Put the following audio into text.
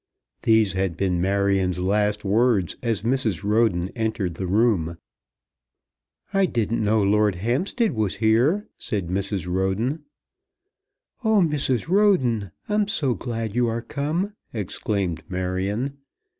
These had been Marion's last words as Mrs. Roden entered the room. "I didn't know Lord Hampstead was here," said Mrs. Roden. "Oh, Mrs. Roden, I'm so glad you are come," exclaimed Marion.